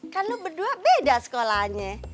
kan lo berdua beda sekolahnya